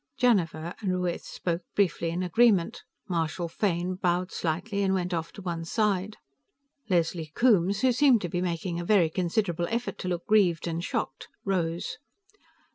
Janiver and Ruiz spoke briefly in agreement. Marshal Fane bowed slightly and went off to one side. Leslie Coombes, who seemed to be making a very considerable effort to look grieved and shocked, rose.